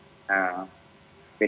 bapak bapak bapak